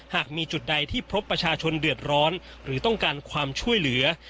หากมีจุดใดที่พบประชาชนเดือดร้อนหรือต้องการความช่วยเหลือ